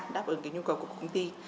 đáp ứng cái nhu cầu của công ty